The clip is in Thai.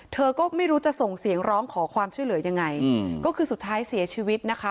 เธอก็ไม่รู้จะส่งเสียงร้องขอความช่วยเหลือยังไงก็คือสุดท้ายเสียชีวิตนะคะ